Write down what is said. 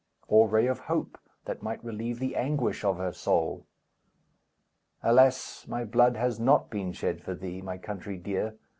Or ray of hope, that might relieve The anguish of her soul. Alas, my blood has not been shed for thee, My country dear!